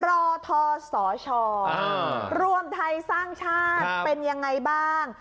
รอทสชรวมไทยสร้างชาติเป็นยังไงบ้าง